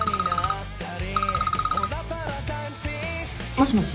もしもし？